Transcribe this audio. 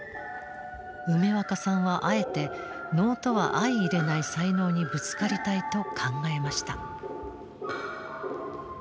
梅若さんはあえて能とは相いれない才能にぶつかりたいと考えました。